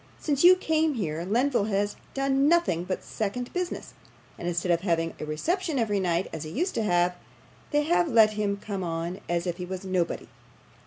'Since you came here Lenville has done nothing but second business, and, instead of having a reception every night as he used to have, they have let him come on as if he was nobody.